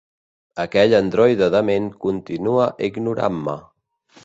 Aquell androide dement continua ignorant-me.